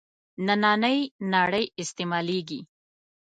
نننۍ نړۍ استعمالېږي.